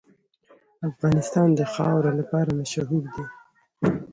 افغانستان د خاوره لپاره مشهور دی.